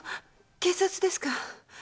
警察ですか。